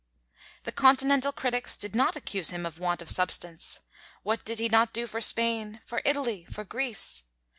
The Continental critics did not accuse him of want of substance. What did he not do for Spain, for Italy, for Greece!